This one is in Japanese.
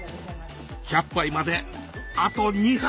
１００杯まであと２杯！